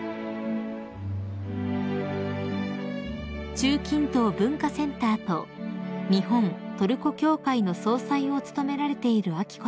［中近東文化センターと日本・トルコ協会の総裁を務められている彬子さま］